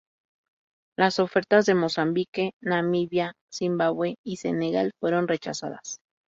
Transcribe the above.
Las ofertas de Mozambique, Namibia, Zimbabue y Senegal fueron rechazadas.